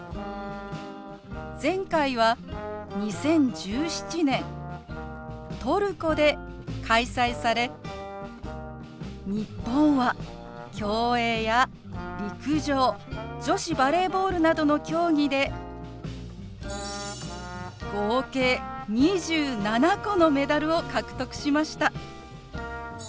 前回は２０１７年トルコで開催され日本は競泳や陸上女子バレーボールなどの競技で合計２７個のメダルを獲得しました。